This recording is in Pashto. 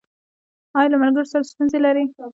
ایا له ملګرو سره ستونزې لرئ؟